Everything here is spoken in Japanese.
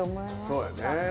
そうやね。